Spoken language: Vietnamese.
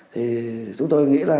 thì chúng tôi nghĩ là